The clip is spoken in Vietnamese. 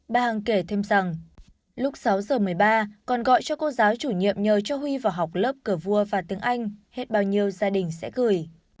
bà hằng kể thêm rằng lúc sáu giờ một mươi ba còn gọi cho cô giáo chủ nhiệm nhờ cho huy vào học lớp cửa vua và tiếng anh hết bao nhiêu gia đình sẽ gửi